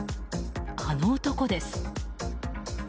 あの男です。